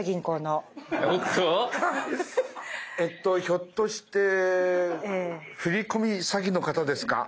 ひょっとして振り込み詐欺の方ですか？